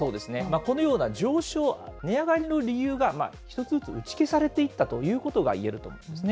このような上昇、値上がりの理由が１つずつ打ち消されていったということがいえると思うんですね。